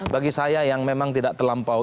bagi saya yang memang tidak terlampau